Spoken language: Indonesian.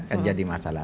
kan jadi masalah